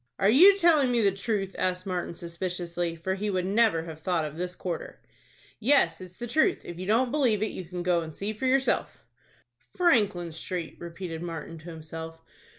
"Are you telling me the truth?" asked Martin, suspiciously, for he would never have thought of this quarter. "Yes, it's the truth. If you don't believe it, you can go and see for yourself." "Franklin Street!" repeated Martin to himself.